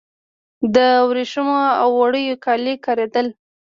د وریښمو او وړیو کالي کاریدل